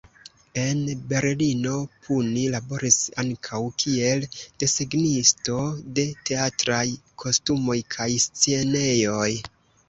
En Berlino, Puni laboris ankaŭ kiel desegnisto de teatraj kostumoj kaj scenejoj.